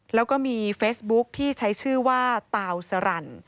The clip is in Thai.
แล้วก็มีเฟซบุ๊คที่ใช้ชื่อว่าตาวสรร